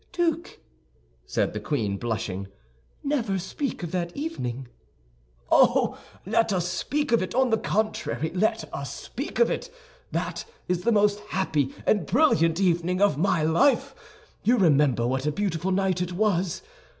"Duke," said the queen, blushing, "never speak of that evening." "Oh, let us speak of it; on the contrary, let us speak of it! That is the most happy and brilliant evening of my life! You remember what a beautiful night it was?